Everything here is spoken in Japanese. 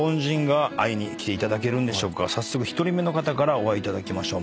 早速１人目の方からお会いいただきましょう。